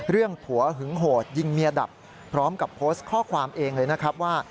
ผัวหึงโหดยิงเมียดับพร้อมกับโพสต์ข้อความเองเลยนะครับว่า